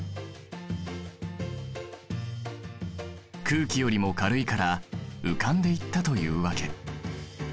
空気よりも軽いから浮かんでいったというわけ。